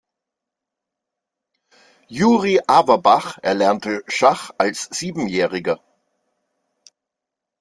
Juri Awerbach erlernte Schach als Siebenjähriger.